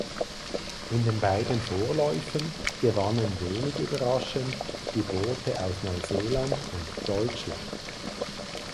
In den beiden Vorläufen gewannen wenig überraschend die Boote aus Neuseeland und Deutschland.